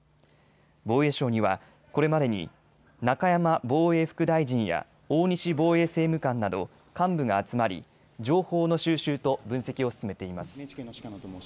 防衛省には、これまでに中山防衛副大臣や大西防衛政務官など幹部が集まり情報の収集と分析を進めています。